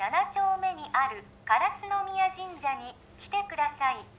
丁目にある烏ノ宮神社に来てください